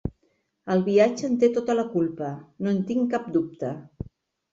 El viatge en té tota la culpa, no en tinc cap dubte.